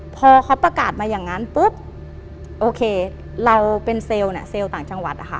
พอเขาประกาศมาอย่างนั้นปุ๊บโอเคเราเป็นเซลล์เนี่ยเซลล์ต่างจังหวัดนะคะ